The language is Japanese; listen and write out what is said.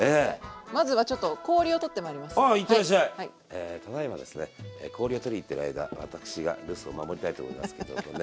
えただいまですね氷を取りに行ってる間私が留守を守りたいと思いますけどもね。